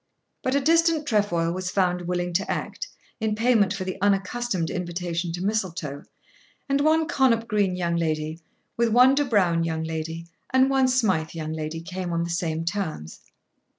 But a distant Trefoil was found willing to act, in payment for the unaccustomed invitation to Mistletoe, and one Connop Green young lady, with one De Browne young lady, and one Smijth young lady came on the same terms.